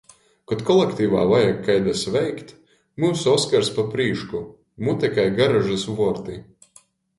Kod kolektivā vajag kaida sveikt, myusu Oskars pa prīšku. Mute kai garažys vuorti!